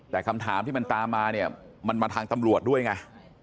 แต่คำถามที่มันตามมาเนี่ยมันมาทางตำรวจด้วยไง